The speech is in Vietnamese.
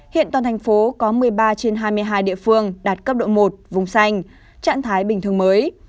hiện toàn thành phố có một mươi ba trên hai mươi hai địa phương đạt cấp độ một vùng xanh trạng thái bình thường mới